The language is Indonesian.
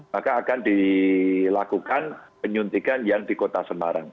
maka akan dilakukan penyuntikan yang di kota semarang